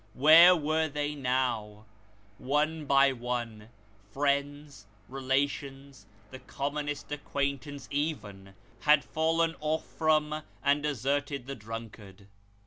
Where were they now ? One by one, friends, relations, the commonest acquaintance even, had fallen off from and deserted the drunkard.